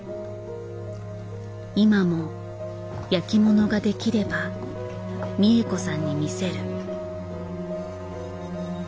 今も焼きものができれば三枝子さんに見せる。